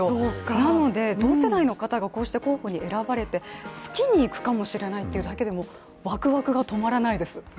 なので同世代の方がこうして候補に選ばれて月にいくかもしれないというだけでもワクワクが止まらないです。